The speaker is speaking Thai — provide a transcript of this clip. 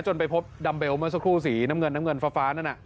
ไปพบดัมเบลเมื่อสักครู่สีน้ำเงินน้ำเงินฟ้านั่นน่ะ